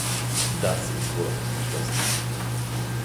Das ist wohl ausgeschlossen!